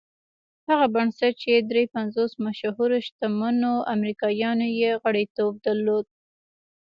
هغه بنسټ چې دري پنځوس مشهورو شتمنو امريکايانو يې غړيتوب درلود.